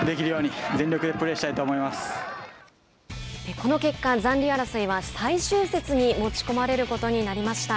この結果残留争いは最終節に持ち込まれることになりました。